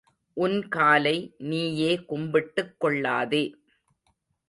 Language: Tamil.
உன் காலை நீயே கும்பிட்டுக் கொள்ளாதே.